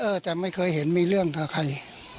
จะไม่เคยเห็นมีเรื่องกับใคร